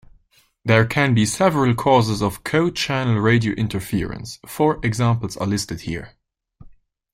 There can be several causes of co-channel radio interference; four examples are listed here.